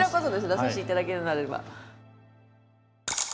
出させていただけるのであれば。